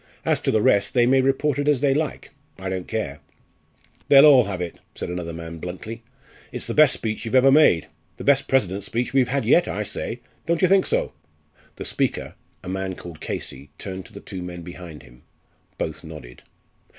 As to the rest they may report it as they like. I don't care." "They'll all have it," said another man, bluntly. "It's the best speech you've ever made the best president's speech we've had yet, I say, don't you think so?" The speaker, a man called Casey, turned to the two men behind him. Both nodded.